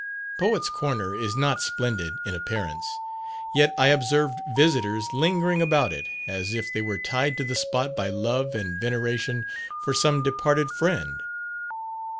Poets' Corner is not splendid in appearance, yet I observed visiters lingering about it, as if they were tied to the spot by love and veneration for some departed friend.